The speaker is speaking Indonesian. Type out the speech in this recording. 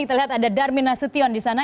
kita lihat ada darmin nasution disana